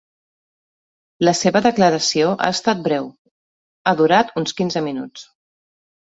La seva declaració ha estat breu: ha durat uns quinze minuts.